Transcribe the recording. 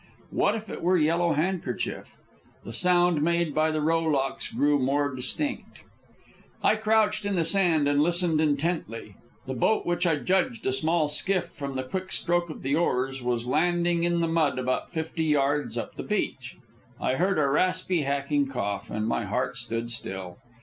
What if it were Yellow Handkerchief? The sound made by the rowlocks grew more distinct. I crouched in the sand and listened intently. The boat, which I judged a small skiff from the quick stroke of the oars, was landing in the mud about fifty yards up the beach. I heard a raspy, hacking cough, and my heart stood still.